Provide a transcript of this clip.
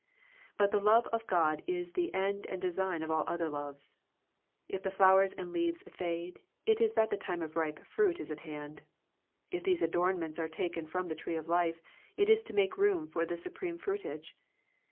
But the love of God is the end and de sign of all other loves. If the flowers and leaves fade, it is that the time of ripe fruit is at hand. If these adornments are taken from the tree of life, it is to make room for the supreme fruitage.